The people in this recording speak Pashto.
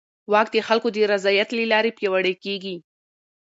واک د خلکو د رضایت له لارې پیاوړی کېږي.